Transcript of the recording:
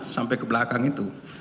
sampai ke belakang itu